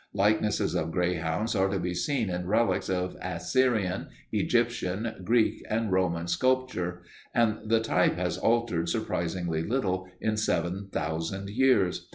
Likenesses of greyhounds are to be seen in relics of Assyrian, Egyptian, Greek, and Roman sculpture, and the type has altered surprisingly little in seven thousand years.